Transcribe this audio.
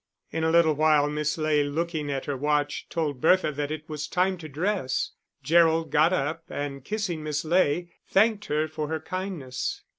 In a little while Miss Ley, looking at her watch, told Bertha that it was time to dress. Gerald got up, and kissing Miss Ley, thanked her for her kindness.